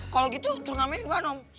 kalau gitu turnamen dimana om